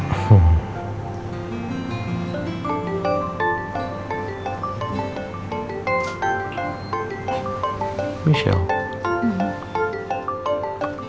saya minta lukis